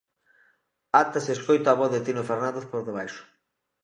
Ata se escoita a voz de Tino Fernández por debaixo.